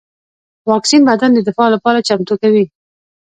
واکسین بدن د دفاع لپاره چمتو کوي